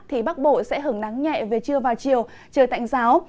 thì bắc bộ sẽ hưởng nắng nhẹ về trưa vào chiều trời tạnh giáo